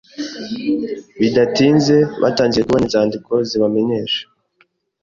Bidatinze, batangiye kubona inzandiko zibamenyesha